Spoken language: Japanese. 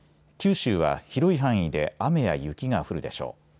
九州は広い範囲で雨や雪が降るでしょう。